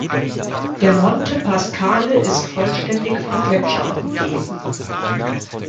Der Monte Pasquale ist vollständig von Gletschern umgeben.